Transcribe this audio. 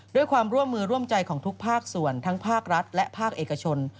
ด้วยความร่วมมือร่วมใจของทุกภาคส่วนทั้งภาครัฐและภาคเอกชน